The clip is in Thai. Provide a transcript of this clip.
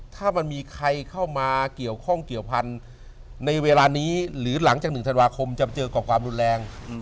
ถ้ามันมีใครเข้ามาเกี่ยวข้องเกี่ยวพันธุ์ในเวลานี้หรือหลังจาก๑ธันวาคมจะเจอกับความรุนแรง